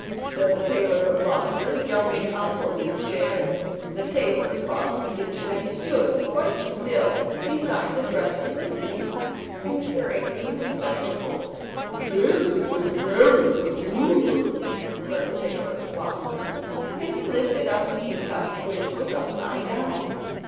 said the Tailor of Gloucester, jumping up from his chair. The tailor crossed the kitchen, and stood quite still beside the dresser, listening, and peering through his spectacles. "This is very peculiar," said the Tailor of Gloucester, and he lifted up the tea cup which was upside down.